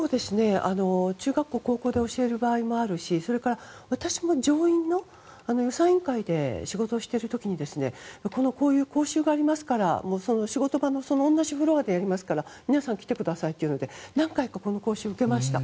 中学校、高校で教える場合もあるしそれから私も上院の予算委員会で仕事をしている時に講習がありますから仕事場の同じフロアでやりますから皆さん来てくださいっていうので何回かこの講習を受けました。